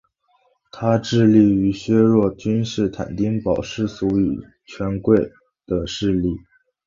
他致力于削弱君士坦丁堡世俗与宗教权贵的势力。